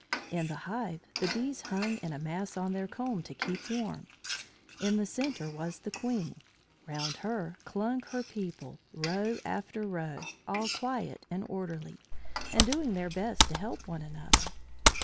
In the hive the bees hung in a mass on their comb to keep warm. In the centre was the Queen; round her clung her people, row after row, all quiet and orderly, and doing their best to help one another.